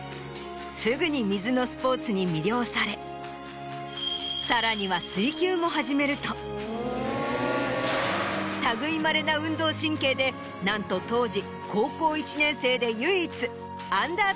すぐに水のスポーツに魅了されさらには水球も始めると類いまれな運動神経でなんと当時。